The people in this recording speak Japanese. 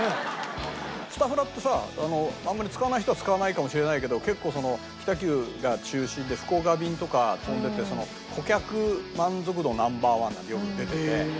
スタフラってさあんまり使わない人は使わないかもしれないけど結構北九が中心で福岡便とか飛んでて顧客満足度Ｎｏ．１なんてよく出てて。